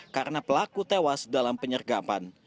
karena pelaku tewas dalam penyergapan